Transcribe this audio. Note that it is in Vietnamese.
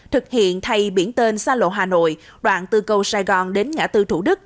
thực hiện thay biển tên xa lộ hà nội đoạn tư cầu sài gòn đến ngã tư thủ đức